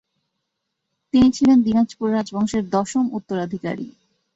তিনি ছিলেন দিনাজপুর রাজবংশের দশম উত্তরাধিকারী।